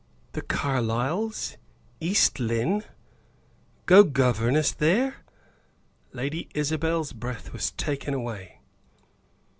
The Carlyles! East Lynne! Go governess there? Lady Isabel's breath was taken away.